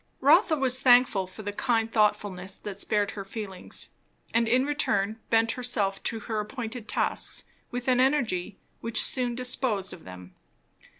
Rotha was thankful for the kind thoughtfulness that spared her feelings; and in return bent herself to her appointed tasks with an energy which soon disposed of them.